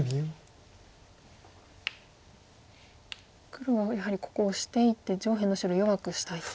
黒はやはりここオシていって上辺の白弱くしたいと。